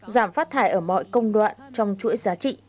giảm phát thải ở mọi công đoạn trong chuỗi giá trị